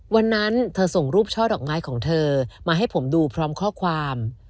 วันนั้นเธอส่งรูปช่อดอกไม้ของเธอมาให้ผมดูพร้อมข้อความ